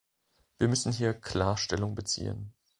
Wir müssen hier klar Stellung beziehen.